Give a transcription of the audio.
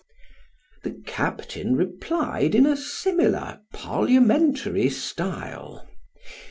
The captain replied in a similar parliamentary style.